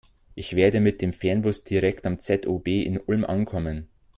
Ich werde mit dem Fernbus direkt am ZOB in Ulm ankommen.